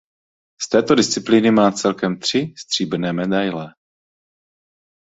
Z této disciplíny má celkem tři stříbrné medaile.